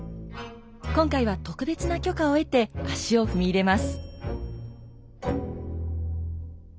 今回は特別な許可を得て足を踏み入れます。